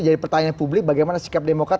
jadi pertanyaan publik bagaimana sikap demokrat